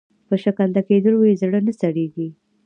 په شکنجه کېدلو یې زړه نه سړیږي.